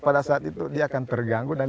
pada saat itu dia akan terganggu dan